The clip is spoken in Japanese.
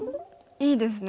いいですね